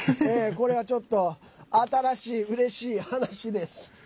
これはちょっと新しいうれしい話です。